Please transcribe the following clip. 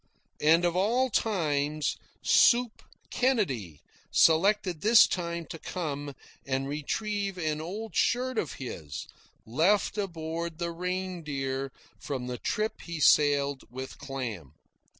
And, of all times, Soup Kennedy selected this time to come and retrieve an old shirt of his, left aboard the Reindeer from the trip he sailed with Clam.